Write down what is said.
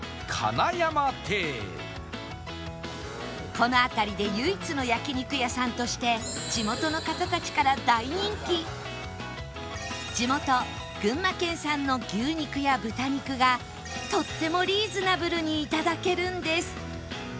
この辺りで唯一の焼肉屋さんとして地元群馬県産の牛肉や豚肉がとってもリーズナブルにいただけるんです